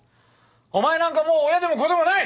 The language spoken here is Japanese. お前なんかもう親でも子でもない！